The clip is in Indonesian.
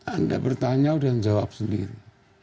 anda bertanya dan jawab sendiri